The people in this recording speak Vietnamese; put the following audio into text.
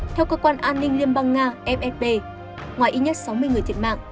theo cơ quan an ninh liên bang nga fsp ngoài ít nhất sáu mươi người thiệt mạng